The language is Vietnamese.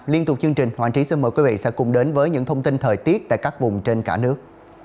liên tục chương trình hoàng trí xin mời quý vị sẽ cùng đến với những thông tin thời tiết tại các vùng trên cả nước